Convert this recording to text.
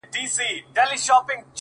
خو ميکده کي په سجدې’ راته راوبهيدې’